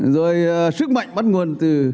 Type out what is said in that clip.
rồi sức mạnh bắt nguồn từ